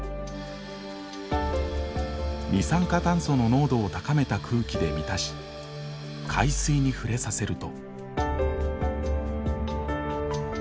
二酸化炭素の濃度を高めた空気で満たし海水に触れさせると。